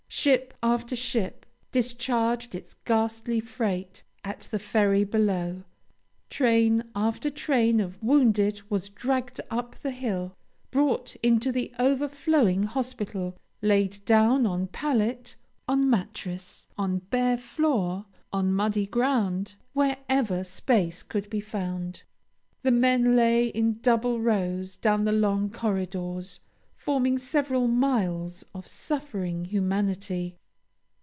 Ship after ship discharged its ghastly freight at the ferry below; train after train of wounded was dragged up the hill, brought into the overflowing hospital, laid down on pallet, on mattress, on bare floor, on muddy ground, wherever space could be found. "The men lay in double rows down the long corridors, forming several miles of suffering humanity."